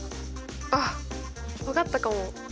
あっ分かったかも。